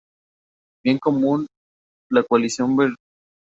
Bien Común, la coalición Berlusconi y el centro.